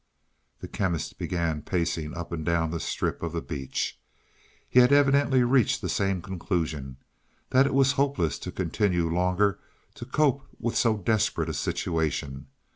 The Chemist began pacing up and down the strip of the beach. He had evidently reached the same conclusion that it was hopeless to continue longer to cope with so desperate a situation.